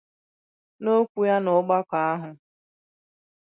N'okwu ya n'ọgbakọ ahụ